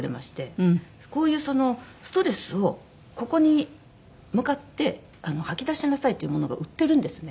こういうそのストレスをここに向かって吐き出しなさいっていうものが売ってるんですね。